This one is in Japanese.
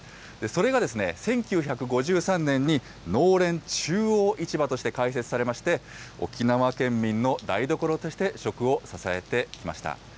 それが１９５３年に、農連中央市場として開設されまして、沖縄県民の台所として食を支えてきました。